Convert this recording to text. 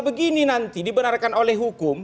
begini nanti dibenarkan oleh hukum